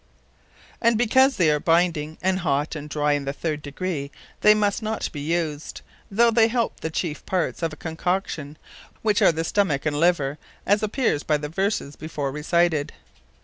_ And because they are binding (and hot and dry in the third degree) they must not be used, though they help the chiefe parts of Concoction, which are the Stomacke and the Liver, as appeares by the Verses before recited.